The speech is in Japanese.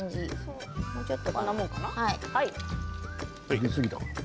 入れすぎたかな？